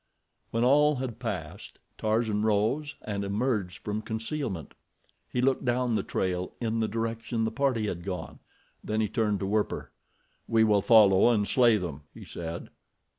When all had passed, Tarzan rose and emerged from concealment. He looked down the trail in the direction the party had gone. Then he turned to Werper. "We will follow and slay them," he said.